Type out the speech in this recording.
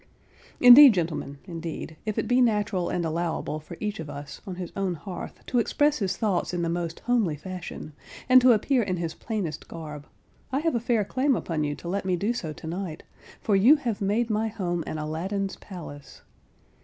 Indeed, gentlemen, indeed, if it be natural and allowable for each of us, on his own hearth, to express his thoughts in the most homely fashion, and to appear in his plainest garb, I have a fair claim upon you to let me do so to night, for you have made my home an Aladdin's Palace.